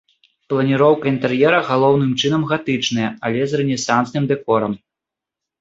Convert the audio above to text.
Планіроўка інтэр'ера галоўным чынам гатычная, але з рэнесансным дэкорам.